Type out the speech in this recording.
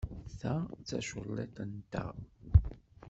Ta d taculliḍt-nteɣ.